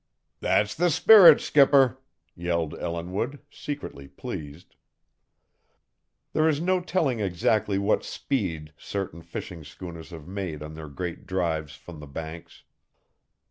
"That's the spirit, skipper!" yelled Ellinwood, secretly pleased. There is no telling exactly what speed certain fishing schooners have made on their great drives from the Banks.